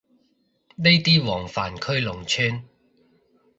呢啲黃泛區農村